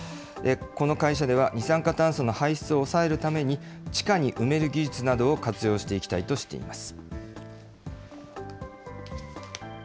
この会社では二酸化炭素の排出を抑えるために、地下に埋める技術などを活用していきたいとしています。